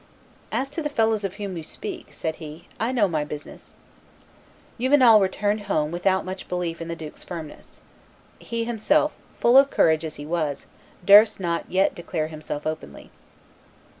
"As to the fellows of whom you speak," said he, "I know my own business." Juvenal returned home without much belief in the duke's firmness. He himself, full of courage as he was, durst not yet declare himself openly.